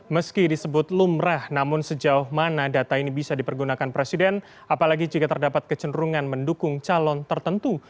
meski disebut lumrah namun sejauh mana data ini bisa dipergunakan presiden apalagi jika terdapat kecenderungan mendukung calon tertentu